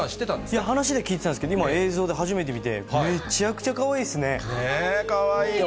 いや、話聞いてたんですけど、映像で初めて見て、めちゃくちゃかわいいねぇ、かわいいですね。